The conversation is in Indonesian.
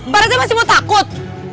pak rete masih mau takut